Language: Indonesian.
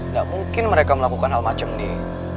gak mungkin mereka melakukan hal macam nih